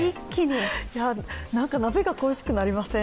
鍋が恋しくなりません？